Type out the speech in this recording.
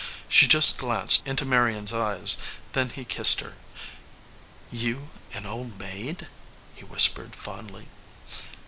She just glanced into Marion s eyes. Then he kissed her. "You an old maid!" he whispered, fondly.